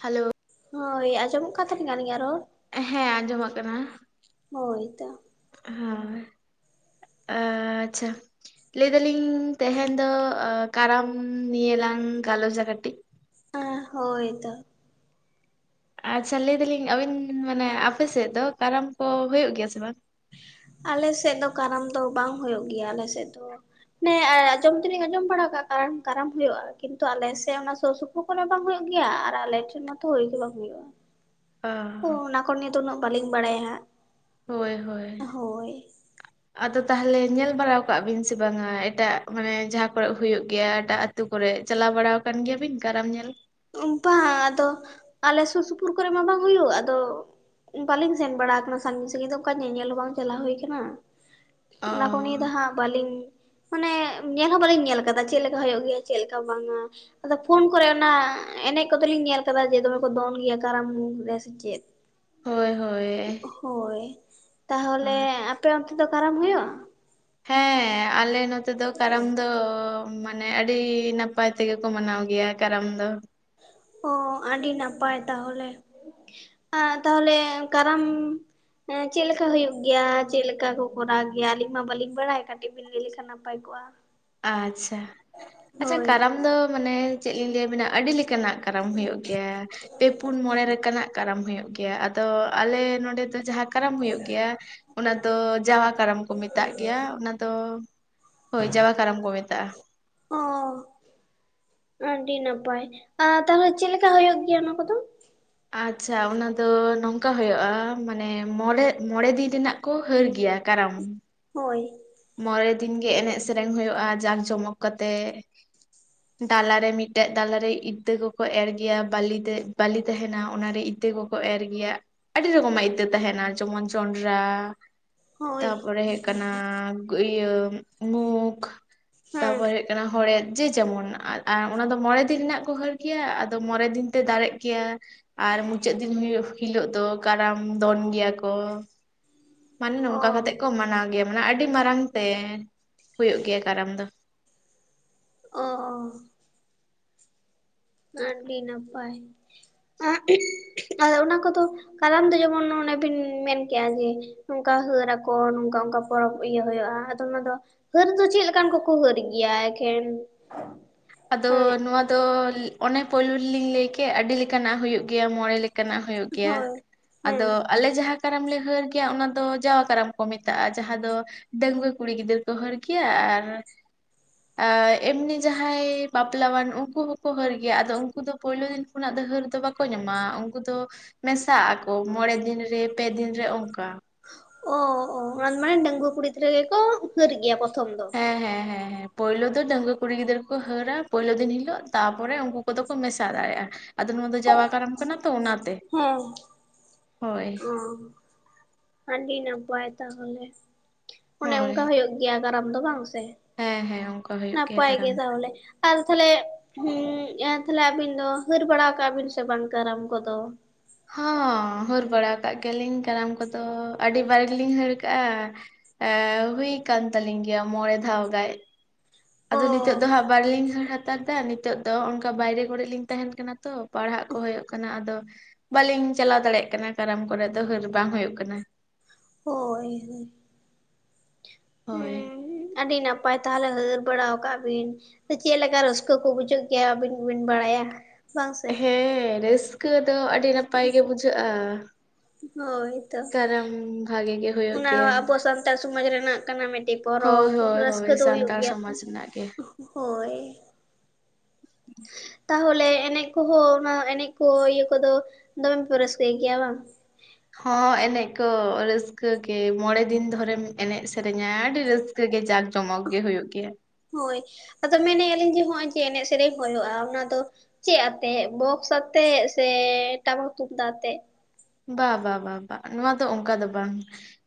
Hello ᱦᱳᱭ ᱟᱸᱡᱚᱢᱚᱜ ᱠᱟᱱ ᱛᱟᱵᱤᱱᱟ ᱟᱹᱞᱤᱧᱟᱜ ᱨᱚᱲ ᱦᱮᱸ ᱟᱸᱡᱚᱢᱚᱜᱼᱠᱟᱱᱟ ᱦᱳᱭ ᱛᱚ ᱦᱮᱸ ᱟᱻᱪᱪᱷᱟ ᱞᱟᱹᱭ ᱫᱟᱞᱤᱧ ᱛᱮᱦᱮᱧ ᱫᱚ ᱠᱟᱨᱟᱢ ᱱᱤᱭᱟ. ᱞᱟᱝ ᱜᱟᱞᱚᱪᱟ ᱠᱟᱹᱴᱤᱡ ᱟᱸ ᱦᱳᱭᱛᱚ ᱟᱪᱪᱷᱟ ᱞᱟᱹᱭ ᱫᱟᱞᱤᱧ ᱟᱹᱵᱤᱱ ᱢᱟᱱᱮ ᱟᱯᱮ ᱥᱮᱫ ᱫᱚ ᱠᱟᱨᱟᱢ ᱠᱚ ᱦᱩᱭᱩᱜ ᱜᱮᱭᱟ ᱥᱮ ᱵᱟᱝ ᱟᱞᱮ ᱥᱮᱫ ᱫᱚ ᱠᱟᱨᱟᱢ ᱫᱚ ᱵᱟᱝ ᱦᱩᱭᱳᱜ ᱜᱮᱭᱟ ᱟᱞᱮ ᱥᱮᱫ ᱫᱚ ᱮᱸ ᱟᱸᱡᱚᱢ ᱫᱚ ᱞᱤᱧ ᱟᱼᱡᱚᱢ ᱛᱚᱞᱤᱮᱧ ᱟᱸᱚᱢ ᱵᱟᱲᱟ ᱠᱫᱼᱟ ᱠᱟᱨᱟᱢ ᱦᱩᱭᱩᱜᱼᱟ ᱠᱤᱱᱛᱩ ᱟᱞᱮ ᱥᱮ ᱚᱱᱟ ᱥᱳᱨ ᱥᱳ [unintelligible] ᱵᱟᱝ ᱦᱩᱭᱩᱜ ᱜᱮᱭᱟ ᱟᱨ ᱟᱞᱮ ᱴᱷᱮᱱ ᱢᱟᱛᱚ ᱦᱩᱭ ᱜᱮ ᱵᱟᱝ ᱦᱩᱭᱩᱜᱼᱟ ᱟ ᱤᱧ ᱚᱱᱟ ᱠᱚ ᱱᱤᱭᱟᱹ ᱫᱚ ᱩᱱᱟᱹᱜ ᱵᱟᱟᱹᱞᱤᱧ ᱵᱟᱲᱟᱭᱟ ᱦᱟᱸᱜ ᱦᱳᱭ ᱦᱳᱭ ᱟᱫᱚ ᱛᱟᱦᱚᱞᱮ ᱧᱮᱞ ᱵᱟᱲᱟᱣ ᱠᱟᱜ ᱵᱤᱱ ᱥᱮ ᱵᱟᱝᱟ ᱮᱴᱟᱜ ᱢᱟᱱᱮ ᱡᱟᱦᱟᱸ ᱠᱚᱨᱮᱜ ᱦᱩᱭᱩᱜ ᱜᱮᱭᱟ ᱮᱴᱟᱜ ᱟᱹᱛᱩ ᱠᱚᱨᱮᱜ ᱪᱟᱞᱟᱣ ᱵᱟᱲᱟ ᱟᱠᱟᱱ ᱜᱮᱭᱟᱵᱤᱱ ᱠᱟᱨᱟᱢ ᱧᱮᱞ ᱵᱟᱝ ᱟᱫᱚ ᱟᱞᱮ ᱥᱩᱨ ᱥᱩᱯᱩᱨ ᱠᱚᱨᱮ ᱢᱟ ᱵᱟᱝ ᱦᱩᱭᱩᱜ ᱟᱫᱚ ᱵᱟᱟᱹᱞᱤᱧ ᱥᱮᱱ ᱵᱟᱲᱟ ᱠᱟᱱᱟ ᱥᱟᱺᱜᱤᱧ ᱥᱟᱺᱟᱹᱜᱤᱧ ᱫᱚ ᱚᱱᱠᱟ ᱧᱮᱧᱮᱞ ᱦᱚᱸ ᱵᱟᱝ ᱪᱟᱞᱟᱣ ᱦᱩᱭ ᱠᱟᱱᱟ ᱚ ᱚᱱᱟ ᱠᱚ ᱱᱤᱭᱟᱹ ᱫᱚ ᱦᱟᱸᱜ ᱵᱟᱹᱞᱤᱧ ᱢᱟᱱᱮ ᱧᱮᱞᱦᱚᱸ ᱵᱟ. ᱞᱤᱧ ᱧᱮᱞ ᱟᱠᱟᱫᱟ ᱪᱮᱫᱮ ᱞᱮᱠᱟ ᱦᱳᱭᱳ ᱜᱮᱭᱟ ᱪᱮᱫᱮᱠᱟ ᱵᱟᱝᱟ ᱟᱫᱚ ᱯᱷᱳᱱ ᱠᱚᱨᱮ ᱚᱱᱟ ᱮᱱᱮᱡ ᱠᱚᱫᱚᱞᱤᱧ ᱧᱮᱞ ᱠᱟᱫᱟ ᱡᱮ ᱫᱚᱢᱮ ᱠᱚ ᱫᱚᱱ ᱜᱮᱭᱟ ᱠᱟᱨᱟᱢ ᱢᱩ ᱨᱮ ᱥᱮ ᱪᱮᱫ ᱦᱳᱭ ᱦᱳᱭ ᱦᱳᱭ ᱦᱳᱭ᱾ ᱛᱟᱦᱚᱞᱮ ᱟᱯᱮ ᱚᱱᱛᱮ ᱫᱚ ᱠᱟᱨᱟᱢ ᱦᱩᱭᱩᱜᱼᱟ ᱦᱮᱸ ᱟᱞᱮ ᱱᱚᱛᱮ ᱫᱚ ᱠᱟᱨᱟᱢ ᱫᱚ ᱢᱟᱱᱮ ᱟᱹᱰᱤ ᱱᱟᱯᱟᱭ ᱛᱮᱜᱮ ᱠᱚ ᱢᱟᱱᱟᱣ ᱜᱮᱭᱟ ᱠᱟᱨᱟᱢ ᱫᱚ ᱳ ᱟᱹᱰᱤ ᱱᱟᱯᱟᱭ ᱛᱟᱦᱚᱞᱮ ᱛᱟᱦᱚᱞᱮ ᱠᱟᱨᱟᱢ ᱦᱮᱸ ᱪᱮᱫ ᱞᱮᱠᱟ ᱦᱩᱭᱩᱜ ᱜᱮᱭᱟ ᱪᱮᱫ ᱞᱮᱠᱟ ᱠᱚ ᱠᱚᱨᱟᱣ ᱜᱮᱭᱟ ᱟᱹᱞᱤᱧ ᱢᱟ ᱵᱟᱹᱞᱤᱧ ᱵᱟᱲᱟᱭᱟ ᱠᱟᱹᱴᱤᱡ ᱵᱤᱱ ᱞᱟᱹᱭ ᱞᱮᱠᱷᱟᱱ ᱱᱟᱯᱟᱭ ᱠᱚᱜ ᱟᱪᱪᱷᱟ ᱟᱪᱪᱷᱟ ᱦᱳᱭ ᱠᱟᱨᱟᱢ ᱫᱚ ᱢᱟᱱᱮ ᱪᱮᱫ ᱞᱤᱧ ᱞᱟᱹᱭ ᱟᱵᱤᱱᱟ ᱟᱹᱰᱤ ᱠᱟᱱᱟᱜ ᱠᱟᱨᱟᱢ ᱦᱩᱭᱩᱜ ᱜᱮᱭᱟ ᱯᱮ ᱯᱩᱱ ᱢᱚᱬᱮ ᱞᱮᱠᱟᱱᱟᱜ ᱠᱟᱨᱟᱢ ᱦᱩᱭᱩᱜ ᱜᱮᱭᱟ ᱜᱮᱭᱟ ᱟᱫᱚ ᱟᱞᱮ ᱱᱚᱰᱮ ᱫᱚ ᱡᱟᱦᱟᱸ ᱠᱟᱨᱟᱢ ᱦᱩᱭᱩᱜ ᱜᱮᱭᱟ ᱚᱱᱟ ᱫᱚ ᱡᱟᱣᱟ ᱠᱟᱨᱟᱢ ᱠᱚ ᱢᱮᱛᱟᱜ ᱜᱮᱭᱟ ᱚᱱᱟ ᱫᱚ ᱦᱳᱭ ᱡᱟᱣᱟ ᱠᱟᱨᱟᱢ ᱠᱚ ᱢᱮᱛᱟᱜᱼᱟ ᱚᱸ ᱟᱹᱰᱤ ᱱᱟᱯᱟᱭ ᱛᱟᱦᱚᱞᱮ ᱪᱮᱞᱮᱠᱟ ᱦᱩᱭᱩᱜ ᱜᱮᱭᱟ ᱚᱱᱟ ᱠᱚᱫᱚ ᱟᱪᱪᱷᱟ ᱚᱱᱟ ᱫᱚ ᱱᱚᱝᱠᱟ ᱦᱩᱭᱩᱜᱼᱟ ᱢᱟᱱᱮ ᱢᱚᱬᱮ ᱢᱚᱬᱮ ᱫᱤᱱ ᱨᱮᱱᱟᱜ ᱠᱚ ᱦᱟᱹᱨ ᱜᱮᱭᱟ ᱠᱟᱨᱚᱱ ᱦᱳᱭ ᱢᱚᱬᱮ ᱫᱤᱱ ᱜᱮ ᱮᱱᱮᱡ ᱥᱮᱨᱮᱧ ᱦᱩᱭᱩᱜᱼᱟ ᱡᱟᱸᱠ ᱡᱚᱢᱚᱠ ᱠᱟᱛᱮᱜ ᱰᱟᱞᱟ ᱨᱮ ᱢᱤᱫ ᱴᱮᱡ ᱰᱟᱞᱟ ᱨᱮ ᱤᱛᱟᱹ ᱠᱚᱠᱚ ᱮᱨ ᱜᱮᱭᱟ ᱵᱟᱞᱤ ᱛᱮ ᱵᱟᱞᱤ ᱛᱟᱦᱮᱱᱟ ᱚᱱᱟ ᱨᱮ ᱤᱛᱟᱹ ᱠᱚ ᱠᱚ ᱮᱨ ᱜᱮᱭᱟ ᱟᱹᱰᱤ ᱨᱚᱠᱚᱢᱟᱜ ᱤᱛᱟᱹ ᱛᱟᱦᱮᱱᱟ ᱡᱮᱢᱚᱱ ᱡᱚᱱᱰᱨᱟ ᱦᱳᱭ ᱛᱟᱯᱚᱨᱮ ᱦᱩᱭᱩᱜ ᱠᱟᱱᱟ ᱤᱭᱟᱹ ᱢᱩᱠᱷ ᱦᱮᱸ ᱛᱟᱯᱚᱨᱮ ᱠᱟᱱᱟ ᱦᱚᱲᱮᱫ ᱡᱮ ᱡᱮᱢᱚᱱ ᱚᱱᱟ ᱫᱚ ᱢᱚᱬᱮ ᱫᱤᱱ ᱨᱮᱱᱟᱜ ᱠᱚ ᱦᱟᱹᱨ ᱜᱮᱭᱟ ᱟᱫᱚ ᱢᱚᱬᱮ ᱫᱤᱱ ᱛᱮ ᱫᱟᱨᱮᱜ ᱜᱮᱭᱟ ᱟᱨ ᱢᱩᱪᱟᱹᱫ ᱫᱤᱱ ᱦᱤᱞᱳᱜ ᱫᱚ ᱠᱟᱨᱟᱢ ᱫᱚᱱ ᱜᱮᱭᱟ ᱠᱚ ᱢᱟᱱᱮ ᱚ ᱱᱚᱝᱠᱟ ᱠᱟᱛᱮᱜ ᱠᱚ ᱢᱟᱱᱟᱣ ᱜᱮᱭᱟ ᱢᱟᱱᱮ ᱟᱹᱰᱤ ᱢᱟᱨᱟᱝ ᱛᱮ ᱦᱩᱭᱩᱜ ᱜᱮᱭᱟ ᱠᱟᱨᱟᱢ ᱫᱚ ᱚᱸ ᱟᱹᱰᱤ ᱱᱟᱯᱟᱭ ᱟᱫᱚ ᱚᱱᱟ ᱠᱚᱫᱚ ᱠᱟᱨᱟᱢ ᱫᱚ ᱡᱮᱢᱚᱱ ᱚᱱᱮ ᱵᱤᱱ ᱢᱮᱱ ᱠᱮᱜᱼᱟ ᱡᱮ ᱱᱚᱝᱠᱟ ᱦᱟᱹᱨ ᱟᱠᱚ ᱱᱚᱝᱠᱟ ᱚᱱᱠᱟ ᱯᱚᱨᱚᱵᱽ ᱤᱭᱟᱹ ᱦᱩᱭᱩᱜᱼᱟ ᱟᱫᱚ ᱚᱱᱟ ᱫᱚ ᱦᱟᱹᱨ ᱫᱚ ᱪᱮᱫ ᱞᱮᱠᱟᱱ ᱠᱚᱠᱚ ᱦᱟᱹᱨ ᱜᱮᱭᱟ ᱮᱠᱷᱮᱱ ᱟᱫᱚ ᱦᱮᱸ ᱱᱚᱣᱟ ᱫᱚ ᱚᱱᱮ ᱯᱳᱭᱞᱳ ᱨᱮᱞᱤᱧ ᱞᱟᱹᱭ ᱠᱮᱫ ᱟᱹᱰᱤ ᱞᱮᱠᱟᱱᱟᱜ ᱦᱩᱭᱩᱜ ᱜᱮᱭᱟ ᱢᱚᱬᱮ ᱞᱮᱠᱟᱱᱟᱜ ᱦᱩᱭᱩᱜ ᱜᱮᱭᱟ ᱦᱳᱭ ᱦᱮᱸ ᱟᱫᱚ ᱟᱞᱮ ᱡᱟᱦᱟᱸ ᱠᱟᱨᱟᱢ ᱞᱮ ᱦᱟᱹᱨ ᱜᱮᱭᱟ ᱚᱱᱟ ᱫᱚ ᱡᱟᱣᱟ ᱠᱟᱨᱟᱢ ᱠᱚ ᱢᱮᱛᱟᱜᱼᱟ ᱡᱟᱦᱟᱸ ᱫᱚ ᱰᱟᱹᱜᱣᱟᱹ ᱠᱩᱲᱤ ᱜᱤᱫᱟᱹᱨ ᱠᱚ ᱦᱟᱹᱨ ᱜᱮᱭᱟ ᱟᱨ ᱮᱢᱱᱤ ᱡᱟᱦᱟᱸ ᱡᱟᱦᱟᱸᱭ ᱵᱟᱯᱞᱟᱣᱟᱱ ᱩᱱᱠᱩ ᱦᱚᱸᱠᱚ ᱦᱟᱹᱨ ᱜᱮᱭᱟ ᱟᱫᱚ ᱩᱱᱠᱩ ᱫᱚ ᱯᱳᱭᱞᱳ ᱫᱤᱱ ᱠᱷᱚᱱᱟᱜ ᱫᱚ ᱦᱟᱹᱨ ᱫᱚ ᱵᱟᱠᱚ ᱧᱟᱢᱟ ᱩᱱᱠᱩ ᱫᱚ ᱢᱮᱥᱟᱜ ᱟᱠᱚ ᱢᱚᱬᱮ ᱫᱤᱱ ᱨᱮ ᱯᱮ ᱫᱤᱱ ᱨᱮ ᱚᱱᱠᱟ ᱚᱸ ᱚᱸ ᱚᱱᱟ ᱢᱟᱱᱮ ᱰᱟᱹᱜᱣᱟᱹ ᱠᱩᱲᱤ ᱜᱤᱫᱽᱨᱟᱹ ᱜᱮᱠᱚ ᱦᱟᱹᱨ ᱜᱮᱭᱟ ᱯᱨᱚᱛᱷᱚᱢ ᱫᱚ ᱦᱮᱸ ᱦᱮᱸ ᱦᱮᱸ ᱯᱳᱭᱞᱳ ᱫᱚ ᱰᱟᱜᱹᱣᱟᱹ ᱠᱩᱲᱤ ᱜᱤᱫᱽᱨᱟᱹ ᱠᱚ ᱦᱟᱹᱨᱼᱟ ᱯᱳᱭᱞᱳ ᱫᱤᱱ ᱦᱤᱞᱳ ᱛᱟᱨ ᱯᱚᱨᱮ ᱩᱱᱠᱩ ᱠᱚᱫᱚ ᱠᱚ ᱢᱮᱥᱟ ᱫᱟᱲᱮᱭᱟᱜᱼᱟ ᱟᱫᱚ ᱱᱚᱣᱟ ᱫᱚ ᱡᱟᱣᱟ ᱠᱟᱨᱟᱢ ᱠᱟᱱᱟ ᱛᱚ ᱚᱱᱟ ᱛᱮ ᱦᱮᱸ ᱦᱳᱭ ᱟᱹᱰᱤ ᱱᱟᱯᱟᱭ ᱛᱟᱦᱚᱞᱮ ᱚᱱᱮ ᱚᱱᱠᱟ ᱦᱳᱭ ᱦᱩᱭᱩᱜ ᱜᱮ ᱜᱮᱭᱟ ᱠᱟᱨᱟᱢ ᱫᱚ ᱵᱟᱝ ᱥᱮ ᱦᱮᱸ ᱦᱮᱸ ᱚᱱᱠᱟ ᱦᱩᱭᱩᱜ ᱜᱮᱭᱟ ᱱᱟᱯᱟᱭ ᱠᱟᱨᱟᱢ ᱜᱮ ᱫᱚ᱾ ᱛᱟᱦᱚᱞᱮ ᱟᱨ ᱛᱟᱦᱚᱞᱮ ᱛᱟᱦᱞᱮ ᱟᱵᱤᱱ ᱫᱚ ᱦᱟᱹᱨ ᱵᱟᱲᱟ ᱠᱟᱜ ᱵᱤᱱ ᱥᱮ ᱵᱟᱝ ᱠᱟᱨᱟᱢ ᱠᱚᱫᱚ ᱦᱚᱸ ᱦᱟᱹᱨ ᱵᱟᱲᱟ ᱠᱟᱜ ᱜᱮᱭᱟ ᱞᱤᱧ ᱠᱟᱨᱟᱢ ᱠᱚᱫᱚ ᱟᱹᱰᱤ ᱵᱟᱨ ᱜᱮᱞᱤᱧ ᱦᱟᱹᱨ ᱠᱟᱜᱼᱟ ᱮᱸ ᱦᱩᱭ ᱠᱟᱱ ᱛᱟᱞᱤᱧ ᱜᱮᱭᱟ ᱢᱚᱬᱮ ᱫᱷᱟᱣ ᱜᱟᱱ ᱟᱫᱚ ᱱᱤᱛᱚᱜ ᱫᱚ ᱚ ᱦᱟᱸᱜ ᱵᱟᱞᱤᱧ ᱦᱟᱹᱲ ᱦᱟᱛᱟᱲ ᱫᱟ ᱱᱤᱛᱚᱜ ᱫᱚ ᱚᱱᱠᱟ ᱵᱟᱭᱨᱮ ᱠᱚᱨᱮ ᱞᱤᱧ ᱛᱟᱦᱮᱱ ᱠᱟᱱᱟ ᱛᱚ ᱯᱟᱲᱦᱟᱜ ᱠᱚ ᱦᱩᱭᱩᱜ ᱠᱟᱱᱟ ᱟᱫᱚ ᱵᱟᱹᱞᱤᱧ ᱪᱟᱞᱟᱣ ᱫᱟᱲᱮᱭᱟᱜ ᱠᱟᱱᱟ ᱠᱟᱨᱟᱢ ᱠᱚᱨᱮ ᱫᱚ ᱦᱟᱹᱨ ᱵᱟᱝ ᱦᱩᱭᱩᱜ ᱠᱟᱱᱟ ᱦᱳᱭ ᱦᱳᱭ ᱦᱳᱭ ᱦᱩᱸ ᱟᱹᱰᱤ ᱱᱟᱯᱟᱭ ᱛᱟᱦᱚᱞᱮ ᱦᱟᱹᱨ ᱵᱟᱲᱟ ᱟᱠᱟᱜ ᱵᱤᱱ ᱪᱮᱫ ᱞᱮᱠᱟ ᱨᱟᱹᱥᱠᱟᱹ ᱠᱚ ᱵᱩᱡᱷᱟᱹᱜ ᱜᱮᱭᱟ ᱟᱹᱵᱤᱱ ᱜᱮ ᱵᱤᱱ ᱵᱟᱲᱟᱭᱟ ᱵᱟᱝ ᱥᱮ ᱦᱮᱸ ᱨᱟᱹᱥᱠᱟᱹ ᱫᱚ ᱟᱹᱰᱤ ᱱᱟᱯᱟᱭ ᱜᱮ ᱵᱩᱡᱷᱟᱹᱜᱼᱟ ᱦᱳᱭ ᱛᱚ ᱠᱟᱨᱟᱢ ᱵᱷᱟᱜᱮ ᱜᱮ ᱦᱩᱭᱩᱜ ᱚᱱᱟ ᱜᱮᱭᱟ ᱦᱚᱸ ᱟᱵᱚ ᱥᱟᱱᱛᱟᱲ ᱥᱚᱢᱟᱡᱽ ᱨᱮᱱᱟᱜ ᱠᱟᱱᱟ ᱢᱤᱫ ᱴᱤᱡ ᱦᱳᱭ ᱯᱚᱨᱚᱵᱽ ᱦᱳᱭ ᱨᱟᱹᱥᱠᱟᱹ ᱦᱳᱭ ᱫᱚ ᱦᱩᱭᱩᱜ ᱥᱟᱱᱛᱟᱲ ᱜᱮᱭᱟ ᱛᱚ ᱥᱚᱢᱟᱡᱽ ᱨᱮᱱᱟᱜ ᱜᱮ ᱦᱳᱭ ᱛᱟᱦᱚᱞᱮ ᱮᱱᱮᱡ ᱠᱚᱦᱚᱸ ᱚᱱᱟ ᱮᱱᱮᱡ ᱠᱚ ᱤᱭᱟᱹ ᱠᱚᱫᱚ ᱫᱚᱢᱮ ᱯᱮ ᱨᱟᱹᱥᱠᱟᱹᱭ ᱜᱮᱭᱟ ᱵᱟᱝ ᱦᱚᱸ ᱮᱱᱮᱡ ᱠᱚ ᱨᱟᱹᱥᱠᱟᱹ ᱜᱮ ᱢᱚᱬᱮ ᱫᱤᱱ ᱫᱷᱚᱨᱮᱢ ᱮᱱᱮᱡ ᱥᱮᱨᱮᱧᱟ ᱟᱹᱰᱤ ᱨᱟᱹᱥᱠᱟᱹ ᱨᱟᱹᱥᱠᱟᱹ ᱜᱮ ᱡᱟᱠ ᱡᱚᱢᱚᱠ ᱜᱮ ᱦᱩᱭᱩᱜ ᱜᱮᱭᱟ ᱦᱳᱭ ᱟᱫᱚ ᱢᱮᱱᱮ ᱟᱹᱞᱤᱧ ᱡᱮ ᱱᱚᱜᱼᱚᱭ ᱡᱮ ᱮᱱᱮᱡ ᱥᱮᱨᱮᱧ ᱦᱩᱭᱩᱜᱼᱟ ᱚᱱᱟ ᱫᱚ ᱪᱮᱫ ᱟᱛᱮᱜ ᱵᱚᱠᱥ ᱟᱛᱮᱜ ᱥᱮ ᱴᱟᱢᱟᱠ ᱛᱩᱢᱫᱟᱜ ᱟᱛᱮᱜ ᱵᱟ ᱵᱟ ᱵᱟ ᱱᱚᱣᱟ ᱫᱚ ᱚᱱᱠᱟ ᱫᱚ ᱵᱟᱝ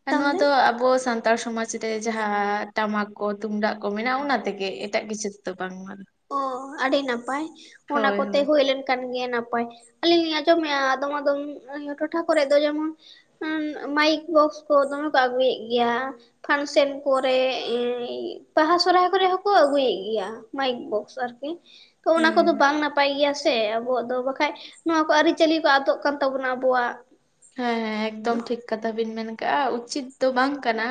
ᱟᱨ ᱱᱚᱣᱟ ᱛᱟᱦᱚᱞᱮ? ᱫᱚ ᱟᱵᱚ ᱥᱟᱱ ᱥᱟᱱᱛᱟᱲ ᱥᱚᱢᱟᱡᱽ ᱨᱮ ᱡᱟᱦᱟᱸ ᱴᱟᱢᱟᱠ ᱠᱚ ᱛᱩᱢᱫᱟᱜ ᱠᱚ ᱢᱮᱱᱟᱜ-ᱟ ᱚᱱᱟ ᱛᱮᱜᱮ ᱮᱴᱟᱜ ᱠᱤᱪᱷᱩ ᱛᱮᱫᱚ ᱵᱟᱝᱢᱟ ᱚ ᱟᱹᱰᱤ ᱱᱟᱯᱟᱭ ᱚᱱᱟ ᱠᱚᱛᱮ ᱦᱳᱭ ᱦᱩᱭ ᱞᱮᱱ ᱠᱟᱱ ᱜᱮᱭᱟ ᱱᱟᱯᱟᱭ ᱟᱹᱞᱤᱧ ᱞᱤᱧ ᱟᱸᱡᱚᱢᱮᱫ-ᱟ ᱟᱫᱚᱢ ᱟᱫᱚᱢ ᱴᱚᱴᱷᱟ ᱠᱚᱨᱮ ᱫᱚ ᱡᱮᱢᱚᱱ ᱢᱟᱭᱤᱠ ᱵᱚᱠᱥ ᱠᱚ ᱫᱚᱢᱮ ᱠᱚ ᱟᱹᱜᱩᱭᱮᱫ ᱜᱮᱭᱟ ᱯᱷᱟᱱᱥᱮᱱ ᱠᱚᱨᱮ ᱵᱟᱦᱟ ᱥᱚᱨᱦᱟᱭ ᱠᱚᱨᱮ ᱦᱚᱸᱠᱚ ᱟᱹᱜᱩᱭᱮᱫ ᱜᱮᱭᱟ ᱵᱚᱠᱥ ᱟᱨᱠᱤ ᱛᱚ ᱚᱱᱟ ᱦᱩᱸ ᱠᱚᱫᱚ ᱵᱟᱝ ᱱᱟᱯᱟᱭ ᱱᱟᱯᱟᱭ ᱜᱮᱭᱟ ᱥᱮ ᱟᱵᱚᱣᱟᱜ ᱫᱚ ᱵᱟᱠᱷᱟᱡ ᱱᱚᱣᱟ ᱠᱚ ᱟᱹᱨᱤᱪᱟᱹᱞᱤ ᱠᱚ ᱟᱫᱚᱜ ᱠᱟᱱ ᱛᱟᱵᱚᱱᱟ ᱟᱵᱚᱣᱟᱜ ᱦᱮᱸ ᱦᱮᱸ ᱮᱠᱫᱚᱢ ᱴᱷᱤᱠ ᱠᱟᱛᱷᱟ ᱵᱤᱱ ᱢᱮᱱ ᱠᱟᱜ-ᱟ ᱩᱪᱤᱛ ᱫᱚ ᱵᱟᱝ ᱠᱟᱱᱟ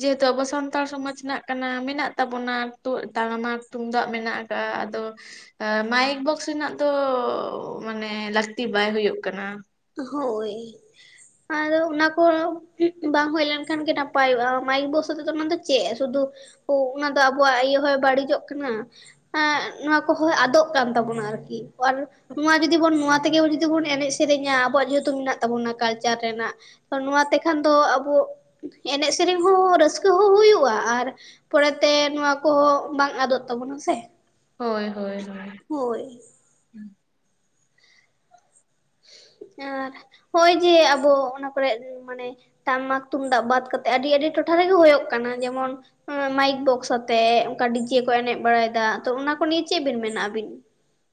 ᱡᱮᱦᱮᱛᱩ ᱟᱵᱚ ᱥᱟᱱᱛᱟᱲ ᱥᱚᱢᱟᱡᱽ ᱨᱮᱱᱟᱜ ᱠᱟᱱᱟ ᱢᱮᱱᱟᱜ ᱛᱟᱵᱚᱱᱟ ᱛᱚ ᱴᱟᱢᱟᱠ ᱛᱩᱢᱫᱟᱜ ᱢᱮᱱᱟᱜ ᱟᱠᱟᱫᱟ ᱦᱮᱸ ᱟᱫᱚ ᱢᱟᱭᱤᱠ ᱵᱚᱠᱥ ᱨᱮᱱᱟᱜ ᱫᱚ ᱢᱟᱱᱮ ᱞᱟᱹᱠᱛᱤ ᱵᱟᱭ ᱦᱩᱭᱩᱜ ᱠᱟᱱᱟ ᱦᱳᱭ ᱟᱫᱚ ᱚᱱᱟ ᱠᱚ ᱵᱟᱝ ᱦᱩᱭ ᱞᱮᱱᱠᱷᱟᱱ ᱜᱮ ᱱᱟᱯᱟᱭᱚᱜ-ᱟ ᱢᱟᱭᱤᱠ ᱵᱚᱠᱥ ᱟᱛᱮᱫᱚ ᱚᱱᱟ ᱫᱚ ᱪᱮᱫ ᱥᱩᱫᱷᱩ ᱚᱱᱟ ᱫᱚ ᱟᱵᱚᱣᱟᱜ ᱤᱭᱟᱹ ᱦᱚᱭ ᱵᱟᱹᱲᱤᱡᱚᱜ ᱠᱟᱱᱟ ᱱᱚᱣᱟ ᱠᱚᱦᱚᱸ ᱟᱫᱚᱜ ᱠᱟᱱ ᱛᱟᱵᱚᱱᱟ ᱟᱨᱠᱤ ᱟᱨ ᱱᱚᱣᱟ ᱡᱩᱫᱤ ᱵᱚᱱ ᱱᱚᱣᱟ ᱛᱮᱜᱮ ᱡᱩᱫᱤ ᱵᱚᱱ ᱮᱱᱮᱡ ᱥᱮᱨᱮᱧᱟ ᱟᱵᱚᱣᱟᱜ ᱡᱮᱦᱮᱛᱩ ᱢᱮᱱᱟᱜ ᱛᱟᱵᱚᱱᱟ ᱠᱟᱞᱪᱟᱨ ᱨᱮᱱᱟᱜ ᱱᱚᱣᱟ ᱛᱮᱠᱷᱟᱱ ᱫᱚ ᱟᱵᱚ ᱮᱱᱮᱡ ᱥᱮᱨᱮᱧ ᱦᱚᱸ ᱨᱟᱹᱥᱠᱟᱹ ᱦᱚᱸ ᱦᱩᱭᱩᱜ-ᱟ ᱟᱨ ᱯᱚᱨᱮᱛᱮ ᱱᱚᱣᱟ ᱠᱚᱦᱚᱸ ᱵᱟᱝ ᱟᱫᱚᱜ ᱛᱟᱵᱚᱱᱟ ᱥᱮ ᱦᱳᱭ ᱦᱳᱭ ᱦᱳᱭ ᱦᱳᱭ ᱟᱨ ᱱᱚᱸᱜ-ᱚᱭ ᱡᱮ ᱟᱵᱚ ᱚᱱᱟ ᱠᱚᱨᱮ ᱢᱟᱱᱮ ᱴᱟᱢᱟᱠ ᱛᱩᱢᱫᱟᱜ ᱵᱟᱫ ᱠᱟᱛᱮᱜ ᱟᱹᱰᱤ ᱟᱹᱰᱤ ᱴᱚᱴᱷᱟ ᱨᱮᱜᱮ ᱦᱩᱭᱩᱜ ᱠᱟᱱᱟ ᱡᱮᱢᱚᱱ ᱢᱟᱭᱤᱠ ᱵᱚᱠᱥ ᱟᱛᱮᱜ ᱚᱱᱠᱟ ᱰᱤᱡᱮ ᱠᱚ ᱮᱱᱮᱡ ᱵᱟᱲᱟᱭᱮᱫᱟ ᱛᱚ ᱚᱱᱟ ᱠᱚ ᱱᱤᱭᱮ ᱪᱮᱫ ᱵᱤᱱ ᱢᱮᱱᱟ ᱟᱹᱵᱤᱱ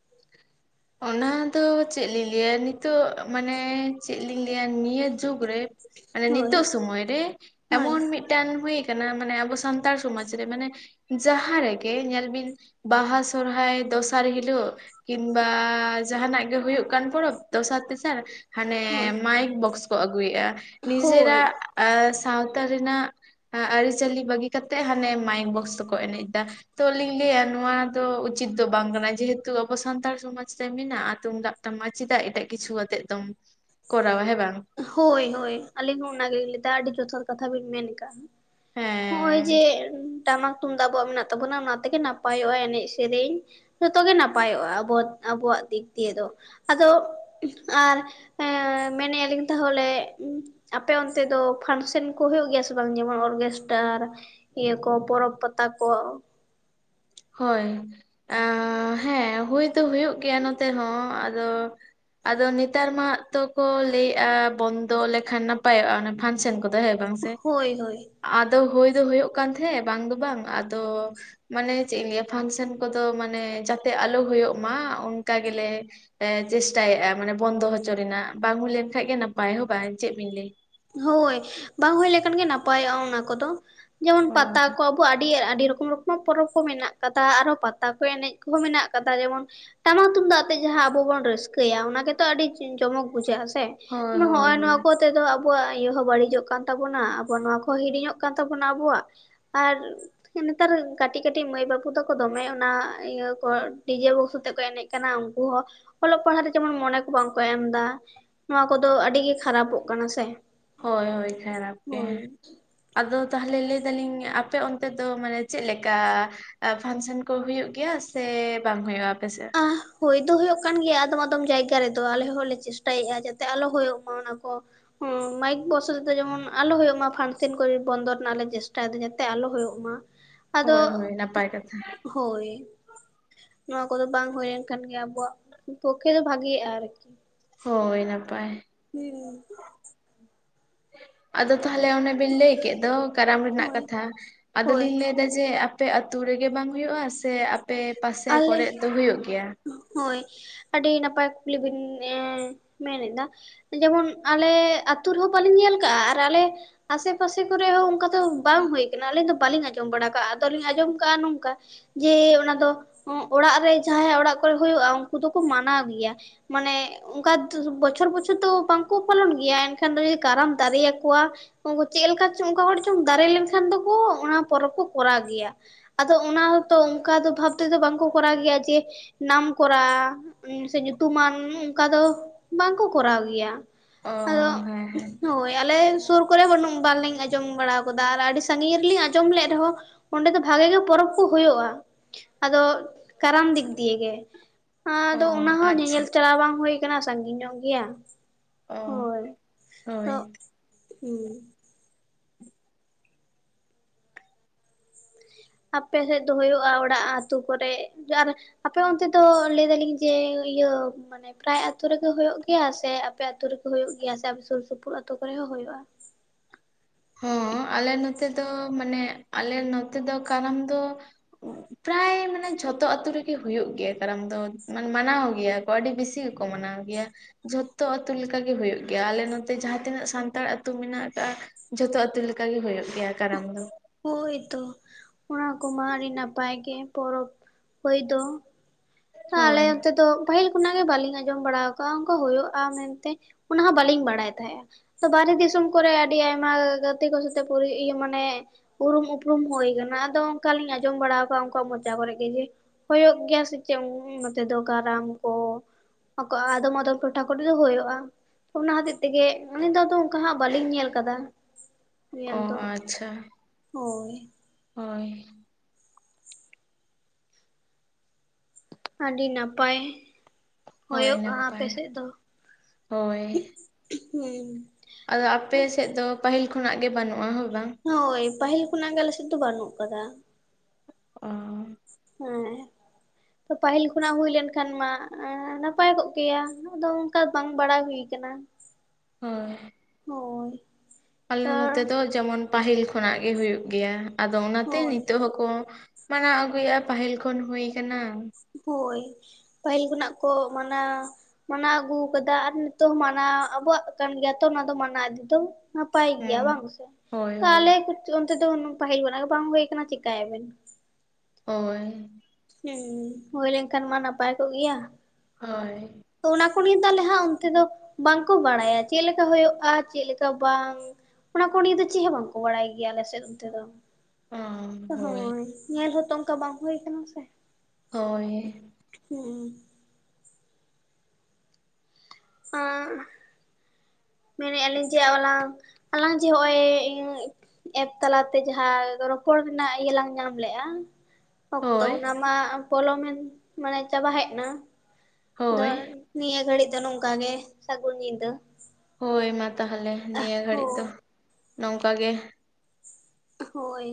[inaudible] ᱚᱱᱟ ᱫᱚ ᱪᱮᱫ ᱞᱤᱧ ᱞᱟᱹᱭᱟ ᱱᱤᱛᱚᱜ ᱢᱟᱱᱮ ᱪᱮᱫ ᱞᱤᱧ ᱞᱟᱹᱭᱟ ᱱᱤᱭᱟᱹ ᱡᱩᱜᱽ ᱨᱮ ᱢᱟᱱᱮ ᱦᱳᱭ ᱱᱤᱛᱚᱜ ᱥᱚᱢᱚᱭ ᱨᱮ ᱦᱳᱭ ᱮᱢᱚᱱ ᱢᱤᱫ ᱢᱤᱫᱴᱟᱱ ᱦᱩᱭ ᱟᱠᱟᱱᱟ ᱢᱟᱱᱮ ᱟᱵᱚ ᱥᱟᱱᱛᱟᱲ ᱥᱚᱢᱟᱡᱽ ᱨᱮ ᱢᱟᱱᱮ ᱡᱟᱦᱟᱸ ᱨᱮᱜᱮ ᱧᱮᱞ ᱵᱤᱱ ᱵᱟᱦᱟ ᱥᱚᱨᱦᱟᱭ ᱫᱚᱥᱟᱨ ᱦᱤᱞᱳᱜ ᱠᱤᱢᱵᱟ ᱡᱟᱦᱟᱱᱟᱜ ᱜᱮ ᱦᱩᱭᱩᱜ ᱠᱟᱱ ᱯᱚᱨᱚᱵᱽ ᱫᱚᱥᱟᱨ ᱛᱮᱥᱟᱨ ᱦᱟᱱᱮ ᱦᱳᱭ ᱢᱟᱭᱤᱠ ᱵᱚᱠᱥ ᱠᱚ ᱟᱜᱩᱭᱮᱫ-ᱟ ᱦᱳᱭ ᱱᱤᱡᱮᱨᱟᱜ ᱟᱨ ᱥᱟᱶᱛᱟ ᱨᱮᱱᱟᱜ ᱟᱹᱨᱤᱪᱟᱹᱞᱤ ᱵᱟᱹᱜᱤ ᱠᱟᱛᱮᱜ ᱦᱟᱱᱮ ᱢᱟᱭᱤᱠ ᱵᱚᱠᱥ ᱛᱮᱠᱚ ᱮᱱᱮᱡ ᱮᱫᱟ ᱛᱚ ᱞᱤᱧ ᱞᱟᱹᱭᱟ ᱱᱚᱣᱟ ᱫᱚ ᱩᱪᱤᱛ ᱫᱚ ᱵᱟᱝ ᱠᱟᱱᱟ ᱡᱮᱦᱮᱛᱩ ᱟᱵᱚ ᱥᱟᱱᱛᱟᱲ ᱥᱚᱢᱟᱡ ᱨᱮ ᱢᱮᱱᱟᱜ-ᱟ ᱛᱩᱢᱫᱟᱜ ᱴᱟᱢᱟᱠ ᱪᱮᱫᱟᱜ ᱮᱴᱟᱜ ᱠᱤᱪᱷᱩ ᱟᱛᱮ ᱫᱚᱢ ᱠᱚᱨᱟᱣᱟ ᱦᱮᱸ ᱵᱟᱝ ᱦᱳᱭ ᱦᱳᱭ ᱟᱹᱞᱤᱧ ᱦᱚᱸ ᱚᱱᱟ ᱜᱮᱞᱤᱧ ᱞᱟᱹᱭᱫᱟ ᱟᱹᱰᱤ ᱡᱚᱛᱷᱟᱛ ᱠᱟᱛᱷᱟ ᱵᱤᱱ ᱢᱮᱱ ᱟᱠᱟᱫ-ᱟ ᱦᱚᱜ-ᱚᱭ ᱦᱮᱸ ᱡᱮ ᱴᱟᱢᱟᱠ ᱛᱩᱢᱫᱟᱜ ᱟᱵᱚᱣᱟᱜ ᱢᱮᱱᱟᱜ ᱛᱟᱵᱚᱱᱟ ᱚᱱᱟ ᱛᱮᱜᱮ ᱱᱟᱯᱟᱭᱚᱜ-ᱟ ᱮᱱᱮᱡ ᱥᱮᱨᱮᱧ ᱡᱚᱛᱚ ᱜᱮ ᱱᱟᱯᱟᱭᱚᱜ-ᱟ ᱟᱵᱚ ᱟᱵᱚᱣᱟᱜ ᱫᱤᱠ ᱫᱤᱭᱮ ᱫᱚ ᱟᱫᱚ ᱟᱨ ᱢᱮᱱᱮᱜ ᱟᱞᱤᱧ ᱛᱟᱦᱚᱞᱮ ᱟᱯᱮ ᱚᱱᱛᱮ ᱫᱚ ᱯᱷᱟᱱᱥᱮᱱ ᱠᱚ ᱦᱩᱭᱩᱜ ᱜᱮᱭᱟ ᱥᱮ ᱵᱟᱝ ᱡᱮᱢᱚᱱ ᱚᱨᱠᱮᱥᱴᱟᱨ ᱤᱭᱟᱹ ᱠᱚ ᱯᱚᱨᱚᱵᱽ ᱯᱟᱛᱟ ᱠᱚ ᱦᱳᱭ ᱦᱮᱸ ᱦᱩᱭ ᱫᱚ ᱦᱩᱭᱩᱜ ᱜᱮᱭᱟ ᱱᱚᱛᱮ ᱦᱚᱸ ᱟᱫᱚ ᱟᱫᱚ ᱱᱮᱛᱟᱨ ᱢᱟ ᱛᱚᱠᱚ ᱞᱟᱹᱭᱮᱫ-ᱟ ᱵᱚᱱᱫᱚ ᱞᱮᱠᱷᱟᱱ ᱱᱟᱯᱟᱭᱚᱜ-ᱟ ᱚᱱᱟ ᱯᱷᱟᱱᱥᱮᱱ ᱠᱚᱫᱚ ᱦᱮᱸ ᱵᱟᱝ ᱥᱮ, ᱦᱳᱭ ᱦᱳᱭ ᱟᱫᱚ ᱦᱳᱭ ᱫᱚ ᱦᱩᱭᱩᱜ ᱠᱟᱱ ᱛᱟᱦᱮᱸᱫ ᱵᱟᱝ ᱫᱚ ᱵᱟᱝ ᱟᱫᱚ ᱢᱟᱱᱮ ᱪᱮᱫ ᱤᱧ ᱞᱟᱹᱭᱟ ᱯᱷᱟᱱᱥᱮᱱ ᱠᱚᱫᱚ ᱢᱟᱱᱮ ᱡᱟᱛᱮ ᱟᱞᱚ ᱦᱩᱭᱩᱜ ᱢᱟ ᱚᱱᱠᱟ ᱜᱮᱞᱮ ᱮ ᱪᱮᱥᱴᱟᱭᱮᱫ-ᱟ ᱢᱟᱱᱮ ᱵᱚᱱᱫᱚ ᱦᱚᱪᱚ ᱨᱮᱱᱟᱜ ᱵᱟᱝ ᱦᱩᱭ ᱞᱮᱱᱠᱷᱟᱡ ᱜᱮ ᱱᱟᱯᱟᱭ ᱦᱚᱸ ᱵᱟᱝ ᱪᱮᱫ ᱵᱤᱱ ᱞᱟᱹᱭ ᱦᱳᱭ ᱵᱟᱝ ᱦᱳᱭ ᱞᱮᱠᱷᱟᱱ ᱜᱮ ᱱᱟᱯᱟᱭᱚᱜ-ᱟ ᱚᱱᱟ ᱠᱚᱫᱚ ᱡᱮᱢᱚᱱ ᱦᱳᱭ ᱯᱟᱛᱟ ᱠᱚ ᱟᱵᱚ ᱟᱹᱰᱤ ᱟᱹᱰᱤ ᱨᱚᱠᱚᱢ ᱨᱚᱠᱚᱢ ᱯᱚᱨᱚᱵᱽ ᱠᱚ ᱢᱮᱱᱟᱜ ᱠᱟᱫᱟ ᱟᱨ ᱯᱟᱛᱟ ᱠᱚ ᱮᱱᱮᱡ ᱠᱚᱦᱚᱸ ᱢᱮᱱᱟᱜ ᱠᱟᱫᱟ ᱡᱮᱢᱚᱱ ᱴᱟᱢᱟᱠ ᱛᱩᱢᱫᱟᱜ ᱟᱛᱮᱜ ᱡᱟᱦᱟᱸ ᱟᱵᱚ ᱵᱚᱱ ᱨᱟᱹᱥᱠᱟᱹᱭᱟ ᱚᱱᱟ ᱜᱮᱛᱚ ᱟᱹᱰᱤ ᱡᱚᱢᱚᱠ ᱵᱩᱡᱷᱟᱹᱜ-ᱟ ᱥᱮ ᱦᱳᱭ ᱦᱳᱭ ᱦᱚᱜᱼᱚᱭ ᱱᱚᱣᱟ ᱦᱳᱭ ᱠᱚᱛᱮ ᱫᱚ ᱟᱵᱚᱣᱟᱜ ᱤᱭᱟᱹ ᱦᱚᱸ ᱵᱟᱹᱲᱤᱡᱚᱜ ᱠᱟᱱ ᱛᱟᱵᱚᱱᱟ ᱟᱵᱚ ᱱᱚᱣᱟ ᱠᱚᱦᱚᱸ ᱦᱤᱲᱤᱧᱚᱜ ᱠᱟᱱ ᱛᱟᱵᱚᱱᱟ ᱟᱵᱚᱣᱟᱜ ᱟᱨ ᱱᱮᱛᱟᱨ ᱠᱟᱹᱴᱤᱡ ᱠᱟᱹᱴᱤᱡ ᱢᱟᱹᱭ ᱵᱟᱹᱵᱩ ᱛᱟᱠᱚ ᱫᱚᱢᱮ ᱚᱱᱟ ᱤᱭᱟᱹ ᱠᱚ ᱰᱤᱡᱮ ᱵᱚᱠᱥ ᱠᱟᱛᱮᱜ ᱠᱚ ᱮᱱᱮᱡ ᱠᱟᱱᱟ ᱩᱱᱠᱩ ᱦᱚᱸ ᱚᱞᱚᱜ ᱯᱟᱲᱦᱟᱜ ᱛᱮ ᱡᱮᱢᱚᱱ ᱢᱚᱱᱮ ᱠᱚ ᱵᱟᱝᱠᱚ ᱮᱢ ᱮᱫᱟ ᱱᱚᱣᱟ ᱠᱚᱫᱚ ᱟᱹᱰᱤ ᱜᱮ ᱠᱷᱟᱨᱟᱯᱚᱜ ᱠᱟᱱᱟ ᱥᱮ ᱦᱚᱭ ᱦᱚᱭ ᱠᱷᱟᱨᱟᱯ ᱜᱮ ᱦᱳᱭ ᱟᱫᱚ ᱛᱟᱦᱚᱞᱮ ᱞᱟᱹᱭ ᱮ ᱫᱟᱞᱤᱧ ᱟᱯᱮ ᱚᱱᱛᱮ ᱫᱚ ᱢᱟᱱᱮ ᱪᱮᱫ ᱞᱮᱠᱟ ᱯᱷᱟᱱᱥᱮᱱ ᱠᱚ ᱦᱩᱭᱩᱜ ᱜᱮᱭᱟ ᱥᱮ ᱵᱟᱝ ᱦᱩᱭᱩᱜᱼᱟ ᱟᱯᱮᱥᱮᱫ ᱦᱩᱭ ᱫᱚ ᱦᱩᱭᱩᱜ ᱠᱟᱱ ᱜᱮᱭᱟ ᱟᱫᱚᱢ ᱟᱫᱚᱢ ᱡᱟᱭᱜᱟ ᱨᱮᱫᱚ ᱟᱞᱮ ᱦᱚᱸᱞᱮ ᱪᱮᱥᱴᱟᱭᱮᱜᱼᱟ ᱡᱟᱛᱮ ᱟᱞᱚ ᱦᱩᱭᱩᱜ ᱢᱟ ᱚᱱᱟ ᱠᱚ ᱦᱮ ᱢᱟᱭᱤᱠ ᱵᱚᱥ ᱠᱚᱛᱮ ᱡᱮᱢᱚᱱ ᱟᱞᱚ ᱦᱩᱭᱩᱜ ᱢᱟ ᱯᱷᱟᱱᱥᱮᱱ ᱠᱚᱨᱮ ᱵᱚᱱᱫᱚ ᱨᱮᱱᱟᱜ ᱞᱮ ᱪᱮᱥᱴᱟᱭᱮᱫᱟ ᱡᱟᱛᱮ ᱟᱞᱚ ᱦᱩᱭᱩᱜ ᱢᱟ ᱟᱫᱚ, ᱦᱳᱭ ᱦᱳᱭ ᱱᱟᱯᱟᱭ ᱠᱟᱛᱷᱟ ᱦᱚᱭ ᱠᱚᱫᱚ ᱵᱟᱝ ᱦᱩᱭ ᱞᱮᱱᱠᱷᱟᱱ ᱜᱮ ᱟᱵᱚᱣᱟᱜ ᱯᱚᱠᱠᱷᱮ ᱫᱚ ᱵᱷᱟᱜᱤᱜᱼᱟ ᱟᱨᱠᱤ ᱦᱚᱭ ᱱᱟᱯᱟᱭ ᱦᱩᱸ ᱟᱫᱚ ᱛᱟᱦᱚᱞᱮ ᱚᱱᱮ ᱵᱮᱱ ᱞᱟᱹᱭ ᱠᱮᱫ ᱫᱚ ᱠᱟᱨᱟᱢ ᱨᱮᱱᱟᱜ ᱦᱳᱭ ᱠᱟᱛᱷᱟ ᱦᱳᱭ ᱟᱫᱚᱞᱤᱧ ᱞᱟᱹᱭ ᱢᱮᱱᱟ ᱡᱮ ᱟᱯᱮ ᱟᱛᱳ ᱨᱮᱜᱮ ᱵᱟᱝ ᱦᱩᱭᱩᱜᱼᱟ ᱥᱮ ᱟᱯᱮ ᱯᱟᱥᱮ ᱠᱚᱨᱮ ᱫᱚ ᱦᱩᱭᱩᱜ ᱜᱮᱭᱟ ᱦᱚᱭ ᱟᱹᱰᱤ ᱱᱟᱯᱟᱭ ᱠᱩᱠᱞᱤ ᱵᱤᱱ ᱢᱮᱱ ᱮᱫᱟ ᱡᱮᱢᱚᱱ ᱟᱞᱮ ᱟᱹᱛᱩ ᱨᱮᱦᱚᱸ ᱵᱟᱞᱤᱧ ᱧᱮᱞ ᱠᱟᱜᱼᱟ ᱟᱨ ᱟᱞᱮ ᱟᱥᱮ ᱯᱟᱥᱮ ᱠᱚᱨᱮ ᱦᱚᱸ ᱚᱱᱠᱟ ᱫᱚ ᱵᱟᱝ ᱦᱩᱭ ᱠᱟᱱᱟ ᱟᱹᱞᱤᱧ ᱫᱚ ᱵᱟᱹᱞᱤᱧ ᱟᱸᱡᱚᱢ ᱵᱟᱲᱟ ᱠᱟᱜᱼᱟ ᱟᱫᱚᱞᱤᱧ ᱟᱸᱡᱚᱢ ᱠᱟᱜᱼᱟ ᱱᱚᱝᱠᱟ ᱡᱮ ᱚᱱᱟ ᱫᱚ ᱚᱲᱟᱜ ᱨᱮ ᱡᱟᱦᱟᱸᱭ ᱚᱲᱟᱜ ᱠᱚᱨᱮ ᱦᱩᱭᱩᱜᱼᱟ ᱩᱱᱠᱩ ᱫᱚᱠᱚ ᱢᱟᱱᱟᱣ ᱜᱮᱭᱟ ᱢᱟᱱᱮ ᱚᱱᱠᱟ ᱵᱚᱪᱷᱚᱨ ᱵᱚᱪᱷᱚᱨ ᱫᱚ ᱵᱟᱝᱠᱚ ᱯᱟᱞᱚᱱ ᱜᱮᱭᱟ ᱮᱱᱠᱷᱟᱱ ᱫᱚ ᱡᱩᱫᱤ ᱠᱟᱨᱟᱢ ᱫᱟᱨᱮᱭᱟ ᱠᱚᱣᱟ ᱩᱱᱠᱩ ᱪᱮᱫ ᱞᱮᱠᱟ ᱪᱚᱝ ᱚᱱᱠᱟ ᱦᱚᱲ ᱪᱚᱝ ᱫᱟᱨᱮ ᱞᱮᱱᱠᱷᱟᱱ ᱫᱚᱠᱚ ᱚᱱᱟ ᱯᱚᱨᱚᱵᱽ ᱠᱚ ᱠᱚᱨᱟᱣ ᱜᱮᱭᱟ ᱟᱫᱚ ᱚᱱᱟ ᱦᱚᱸᱛᱚ ᱚᱱᱠᱟ ᱫᱚ ᱵᱷᱟᱵ ᱛᱮᱫᱚ ᱵᱟᱝᱠᱚ ᱠᱚᱨᱟᱣ ᱜᱮᱭᱟ ᱡᱮ ᱱᱟᱢᱠᱚᱨᱟ ᱥᱮ ᱧᱩᱛᱩᱢᱟᱱ ᱚᱱᱠᱟ ᱫᱚ ᱵᱟᱝᱠᱚ ᱠᱚᱨᱟᱣ ᱜᱮᱭᱟ ᱚ ᱟᱫᱚ ᱦᱮᱸ ᱦᱮᱸ ᱦᱚᱭ ᱟᱞᱮ ᱥᱩᱨ ᱠᱚᱨᱮ ᱵᱟᱹᱱᱩᱜ ᱵᱟᱞᱤᱧ ᱟᱸᱡᱚᱢ ᱵᱟᱲᱟ ᱟᱠᱟᱫᱟ ᱟᱨ ᱟᱹᱰᱤ ᱥᱟᱺᱜᱤᱧ ᱨᱮᱞᱤᱧ ᱟᱸᱡᱚᱢ ᱞᱮᱜ ᱨᱮᱦᱚᱸ ᱚᱸᱰᱮ ᱫᱚ ᱵᱷᱟᱜᱤ ᱜᱮ ᱯᱚᱨᱚᱵᱽ ᱠᱚ ᱦᱩᱭᱩᱜᱼᱟ ᱟᱫᱚ ᱠᱟᱨᱟᱢ ᱫᱤᱠ ᱫᱤᱭᱮ ᱜᱮ ᱚ ᱟᱫᱚ ᱚᱱᱟ ᱦᱚᱸ ᱟᱪᱪᱷᱟ ᱧᱮᱧᱮᱞ ᱪᱟᱞᱟᱣ ᱵᱟᱝ ᱦᱩᱭ ᱠᱟᱱᱟ ᱥᱟᱺᱜᱤᱧ ᱧᱚᱜ ᱜᱤᱭᱟ ᱚ ᱛᱚ ᱦᱳᱭ ᱦᱮᱸ ᱟᱯᱮ ᱥᱮᱫ ᱫᱚ ᱦᱩᱭᱩᱜᱼᱟ ᱚᱲᱟᱜ ᱟᱹᱛᱩ ᱠᱚᱨᱮ ᱟᱨ ᱟᱯᱮ ᱚᱱᱛᱮ ᱫᱚ ᱞᱟᱹᱭ ᱫᱟᱞᱤᱧ ᱡᱮ ᱤᱭᱟᱹ ᱢᱟᱱᱮ ᱯᱨᱟᱭ ᱟᱛᱳ ᱨᱮᱜᱮ ᱦᱩᱭᱩᱜᱳ ᱜᱮᱭᱟ ᱥᱮ ᱟᱯᱮ ᱟᱛᱳ ᱨᱮᱜᱮ ᱦᱩᱭᱩᱜ ᱜᱮᱭᱟ ᱥᱮ ᱟᱨ ᱥᱩᱨ ᱥᱩᱯᱩᱨ ᱟᱛᱳ ᱠᱚᱨᱮ ᱦᱚᱸ ᱦᱩᱭᱩᱜᱼᱟ ᱦᱚᱸ ᱟᱞᱮ ᱱᱚᱛᱮ ᱫᱚ ᱢᱟᱱᱮ ᱟᱞᱮ ᱱᱚᱛᱮ ᱫᱚ ᱠᱟᱨᱟᱢ ᱫᱚ ᱯᱨᱟᱭ ᱢᱟᱱᱮ ᱡᱷᱚᱛᱚ ᱟᱛᱳ ᱨᱮᱜᱮ ᱦᱩᱭᱩᱜ ᱜᱮᱭᱟ ᱠᱟᱨᱟᱢ ᱫᱚ ᱢᱟᱱ ᱢᱟᱱᱟᱣ ᱜᱮᱭᱟ ᱠᱚ ᱟᱹᱰᱤ ᱵᱮᱥᱤ ᱜᱮᱠᱚ ᱢᱟᱱᱟᱣ ᱜᱮᱭᱟ ᱡᱷᱚᱛᱚ ᱟᱹᱛᱩ ᱞᱮᱠᱟᱜᱮ ᱦᱩᱭᱩᱜ ᱜᱮᱭᱟ ᱟᱞᱮ ᱱᱚᱛᱮ ᱡᱟᱦᱟᱸ ᱛᱤᱱᱟᱹᱜ ᱥᱟᱱᱛᱟᱲ ᱟᱹᱛᱩ ᱢᱮᱱᱟᱜ ᱟᱠᱟᱫᱼᱟ ᱡᱷᱚᱛᱚ ᱟᱹᱛᱩ ᱞᱮᱠᱟ ᱜᱮ ᱦᱩᱭᱩᱜ ᱜᱮᱭᱟ ᱠᱟᱨᱟᱢ ᱫᱚ ᱦᱚᱭᱛᱚ ᱚᱱᱟ ᱠᱚᱢᱟ ᱟᱹᱰᱤ ᱱᱟᱯᱟᱭ ᱜᱮ ᱯᱚᱨᱚᱵᱽ ᱦᱚᱭ ᱫᱚ ᱟᱞᱮ ᱦᱳᱭ ᱚᱱᱛᱮ ᱫᱚ ᱯᱟᱹᱦᱤᱞ ᱠᱷᱚᱱᱟᱜ ᱜᱮ ᱵᱟᱹᱞᱤᱧ ᱟᱸᱡᱚᱢ ᱵᱟᱲᱟ ᱟᱠᱟᱫᱼᱟ ᱚᱱᱠᱟ ᱦᱩᱭᱩᱜᱼᱟ ᱢᱮᱱᱛᱮ ᱚᱱᱟ ᱦᱚᱸ ᱵᱟᱹᱞᱤᱧ ᱵᱟᱲᱟᱭ ᱛᱟᱦᱮᱸᱜᱼᱟ ᱵᱟᱦᱦᱮ ᱫᱤᱥᱚᱢ ᱠᱚᱨᱮ ᱟᱹᱰᱤ ᱟᱭᱢᱟ ᱜᱟᱛᱮ ᱠᱚ ᱥᱟᱛᱮᱤ ᱢᱟᱱᱮ ᱩᱨᱩᱢ ᱩᱯᱨᱩᱢ ᱦᱩᱭ ᱟᱠᱟᱱᱟ ᱟᱫᱚ ᱚᱱᱠᱟᱞᱤᱧ ᱟᱸᱡᱚᱢ ᱵᱟᱲᱟ ᱟᱠᱟᱫ ᱩᱱᱠᱩᱣᱟᱜ ᱢᱚᱡᱟ ᱠᱚᱨᱮ ᱜᱮ ᱡᱮ ᱦᱩᱭᱩᱜ ᱜᱮᱭᱟ ᱥᱮ ᱪᱮᱫ ᱱᱚᱛᱮ ᱫᱚ ᱠᱟᱨᱟᱢ ᱠᱚ ᱠᱚᱼᱟ ᱟᱫᱚᱢ ᱟᱫᱚᱢ ᱴᱚᱴᱷᱟ ᱠᱚᱨᱮ ᱫᱚ ᱦᱩᱭᱩᱜᱼᱟ ᱚᱱᱟ ᱦᱚᱛᱮᱡ ᱛᱮᱜᱮ ᱩᱱᱤ ᱫᱚ ᱟ ᱚᱠᱟ ᱦᱚᱸ ᱵᱟᱹᱞᱤᱧ ᱧᱮᱞ ᱟᱠᱟᱫᱟ ᱚ ᱧᱮᱞ ᱫᱚ ᱦᱚᱭ ᱦᱚᱭ ᱟᱹᱰᱤ ᱱᱟᱯᱟᱭ ᱦᱳᱭ ᱦᱳᱭᱳᱜᱼᱟ ᱟᱯᱮ ᱱᱟᱯᱟᱭ ᱥᱮᱫ ᱫᱚ ᱦᱳᱭ ᱦᱩᱸ ᱾ ᱟᱫᱚ ᱟᱯᱮ ᱥᱮᱫ ᱫᱚ ᱯᱟᱹᱦᱤᱞ ᱠᱷᱚᱱᱟᱜ ᱜᱮ ᱵᱟᱹᱱᱩᱜᱼᱟ, ᱦᱳᱭ ᱵᱟᱝ? ᱦᱳᱭ ᱾ ᱯᱟᱹᱦᱤᱞ ᱠᱷᱚᱱᱟᱜ ᱜᱮ ᱟᱞᱮ ᱥᱮᱫ ᱫᱚ ᱵᱟᱹᱱᱩᱜ ᱟᱠᱟᱫᱟ ᱾ ᱚ ᱦᱮᱸ, ᱛᱚ ᱯᱟᱹᱦᱤᱞ ᱠᱷᱚᱱᱟᱜ ᱦᱩᱭ ᱞᱮᱱᱠᱷᱟᱱ ᱢᱟ ᱱᱟᱯᱟᱭ ᱠᱚᱜ ᱠᱮᱭᱟ ᱾ ᱟᱫᱚ ᱚᱱᱠᱟ ᱵᱟᱝ ᱵᱟᱲᱟᱭ ᱦᱩᱭ ᱟᱠᱟᱱᱟ ᱾ ᱦᱳᱭ ᱾ ᱦᱳᱭ ᱾ ᱟᱞᱮ ᱱᱚᱛᱮ ᱫᱚ ᱡᱮᱢᱚᱱ ᱯᱟᱹᱟᱦᱤᱞ ᱠᱷᱚᱱᱟᱜ ᱜᱮ ᱦᱩᱭᱩᱜ ᱜᱮᱭᱟ, ᱟᱫᱚ ᱚᱱᱟᱛᱮ ᱦᱳᱭ ᱱᱤᱛᱚᱜ ᱦᱚᱸ ᱠᱚ ᱢᱟᱱᱟᱣ ᱟᱹᱜᱩᱭᱟ ᱯᱟᱹᱦᱤᱞ ᱠᱷᱚᱱ ᱦᱩᱭ ᱟᱠᱟᱱᱟ ᱾ ᱦᱳᱭ, ᱯᱟᱹᱦᱤᱞ ᱠᱷᱚᱱᱟᱜ ᱠᱚ ᱢᱟᱱᱟᱣ ᱢᱟᱱᱟᱣ ᱟᱹᱜᱩ ᱟᱠᱟᱫᱟ ᱟᱨ ᱱᱤᱛᱚᱜ ᱦᱚᱸ ᱢᱟᱱᱟᱣ ᱟᱵᱚᱣᱟᱜ ᱠᱟᱱ ᱜᱮᱭᱟ ᱛᱚ ᱚᱱᱟ ᱫᱚ ᱢᱟᱱᱟᱣ ᱤᱫ ᱫᱚ ᱾ ᱱᱟᱯᱟᱭ ᱜᱮᱭᱟ ᱦᱮᱸ ᱵᱟᱝ ᱥᱮ, ᱦᱳᱭ ᱛᱚ ᱦᱳᱭ ᱟᱞᱮ ᱚᱱᱛᱮ ᱫᱚ ᱯᱟᱹᱦᱤᱞ ᱠᱷᱚᱱᱟᱜ ᱵᱟᱝ ᱦᱩᱭ ᱠᱟᱱᱟ ᱪᱮᱤᱠᱟᱭᱟᱵᱮᱱ ᱾ ᱦᱳᱭ ᱾ ᱦᱮᱸ, ᱦᱩᱭ ᱞᱮᱱᱠᱷᱟᱱ ᱢᱟ ᱱᱟᱯᱟᱭ ᱠᱚᱜ ᱜᱮᱭᱟ ᱾ ᱦᱳᱭ ᱾ ᱛᱚ ᱚᱱᱟ ᱠᱚ ᱱᱤᱭᱮ ᱫᱚ ᱟᱞᱮ ᱦᱟᱸᱜ ᱚᱱᱛᱮ ᱫᱚ ᱵᱟᱝᱠᱚ ᱵᱟᱲᱟᱭᱟ ᱪᱮᱫ ᱞᱮᱠᱟ ᱦᱩᱭᱩᱜᱼᱟ ᱪᱮᱫᱮᱠᱟ ᱵᱟᱝ ᱾ ᱚᱱᱟ ᱠᱚ ᱱᱤᱭᱟᱹ ᱫᱚ ᱪᱮᱫ ᱦᱚᱸ ᱵᱟᱝᱠᱚ ᱵᱟᱲᱟᱭ ᱜᱮᱭᱟ ᱟᱞᱮ ᱥᱮᱫ ᱚᱱᱛᱮ ᱫᱚ ᱚ ᱾ ᱦᱳᱭ ᱾ ᱧᱮᱞ ᱦᱚᱸᱛᱚ ᱚᱱᱠᱟ ᱵᱟᱝ ᱦᱩᱭ ᱠᱟᱱᱟ ᱥᱮ ᱾ ᱦᱳᱭ ᱾ ᱦᱩᱸ ᱾ ᱦᱮᱸ ᱢᱮᱱᱮᱜᱼᱟ ᱞᱤᱧ ᱡᱮ ᱟᱞᱟᱝ ᱟᱞᱟᱝ ᱡᱮ ᱱᱚᱜᱼᱚᱭ ᱮᱯ ᱛᱟᱞᱟᱛᱮ ᱡᱟᱦᱟᱸ ᱨᱚᱯᱚᱲ ᱨᱮᱱᱟᱜ ᱤᱭᱟᱹ ᱞᱟᱝ ᱧᱟᱢ ᱞᱮᱜᱼᱟ, ᱚᱠᱛᱚ ᱦᱳᱭ ᱚᱱᱟ ᱢᱟ ᱯᱚᱞᱚᱢᱮᱱ ᱢᱟᱱᱮ ᱪᱟᱵᱟ ᱦᱮᱡ ᱮᱱᱟ, ᱦᱳᱭ ᱱᱤᱭᱟᱹ ᱜᱷᱟᱹᱲᱤᱡ ᱫᱚ ᱱᱚᱝᱠᱟ ᱜᱮ ᱥᱟᱹᱜᱩᱱ ᱧᱤᱫᱟᱹ ᱾ ᱦᱳᱭ ᱾ ᱢᱟ ᱛᱟᱦᱚᱞᱮ ᱱᱤᱭᱟᱹ ᱜᱷᱟᱹᱲᱤᱡ ᱫᱚ ᱦᱳᱭ ᱱᱚᱝᱠᱟ ᱜᱮ ᱾ ᱦᱳᱭ ᱾